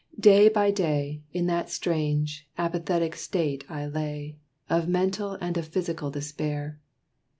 Day by day, In that strange, apathetic state I lay, Of mental and of physical despair.